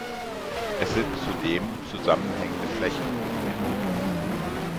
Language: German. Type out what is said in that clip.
Es sind zudem zusammenhängende Flächen notwendig.